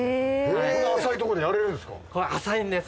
こんな浅いとこでやれるんですか。